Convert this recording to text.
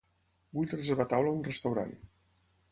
Vull reservar taula a un restaurant.